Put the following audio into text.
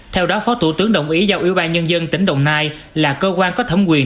theo đó phó thủ tướng đồng ý giao ủy ban nhân dân tỉnh đồng nai là cơ quan có thẩm quyền